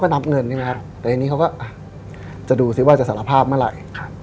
แต่ทีนี้เขาจะดูสิว่าจะสารภาพเมื่อไร